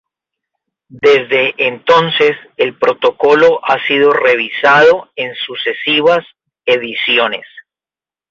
Desde entonces el Protocolo ha sido revisado en sucesivas ediciones.